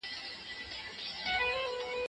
خپل ځان له هر ډول رواني تکلیف څخه وساتئ.